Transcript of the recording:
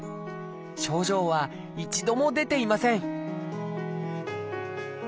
症状は一度も出ていません